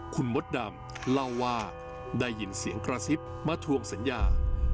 คุณมดดำเล่าว่าได้ยินเสียงกระซิบมาทวงสัญญา